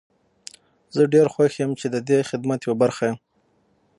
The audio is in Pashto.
زه ډير خوښ يم چې ددې خدمت يوه برخه يم.